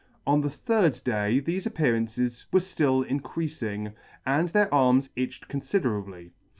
On the third day thefe appearances were {till increafing and their arms itched confiderably.